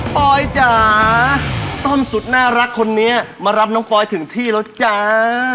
ปอยจ๋าต้อมสุดน่ารักคนนี้มารับน้องฟอยถึงที่แล้วจ้า